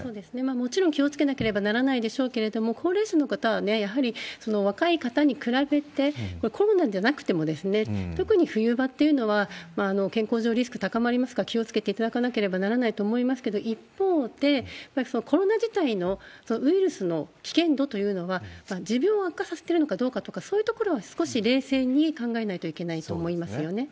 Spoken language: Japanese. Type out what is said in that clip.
もちろん気をつけなければならないでしょうけれども、高齢者の方はね、やはり若い方に比べて、コロナじゃなくても、特に冬場っていうのは健康上、リスク高まりますから気をつけていただかなければならないと思いますけれども、一方で、やはりコロナ自体のウイルスの危険度というのは、持病を悪化させてるのかどうかとか、そういうところは少し冷静に考えないといけないと思いますよね。